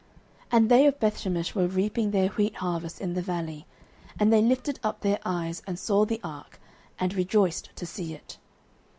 09:006:013 And they of Bethshemesh were reaping their wheat harvest in the valley: and they lifted up their eyes, and saw the ark, and rejoiced to see it.